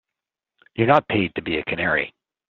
You're not paid to be a canary.